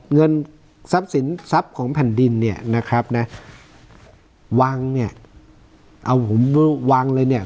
เงินทรัพย์สินทรัพย์ของแผ่นดินเนี่ยนะครับนะวางเนี่ยเอาผมวางเลยเนี่ย